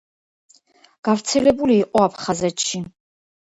გავრცელებული იყო აფხაზეთში.